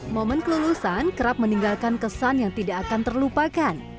momen kelulusan kerap meninggalkan kesan yang tidak akan terlupakan